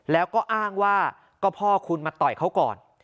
แล้วก็อ้างว่าก็พ่อคุณมาต่อยเขาก่อน